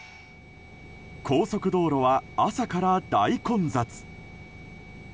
高速道路は朝から大混雑。